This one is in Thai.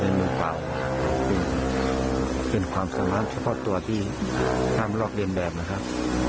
เป็นมือเปล่าเป็นความสามารถเฉพาะตัวที่ห้ามลอกเรียนแบบนะครับ